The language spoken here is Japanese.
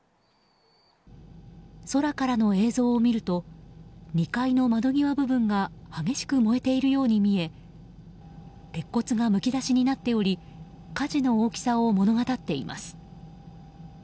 空からの映像を見ると２階の窓際部分が激しく燃えているように見え鉄骨がむき出しになっており火事の大きさを物語っています。